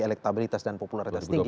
elektabilitas dan popularitas tinggi